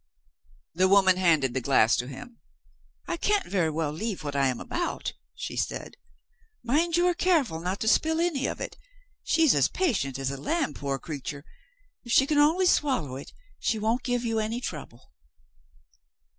The woman handed the glass to him. "I can't very well leave what I am about," she said. "Mind you are careful not to spill any of it. She's as patient as a lamb, poor creature. If she can only swallow it, she won't give you any trouble."